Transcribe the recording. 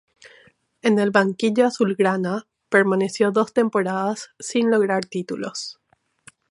En el banquillo azulgrana permaneció dos temporadas, sin lograr títulos.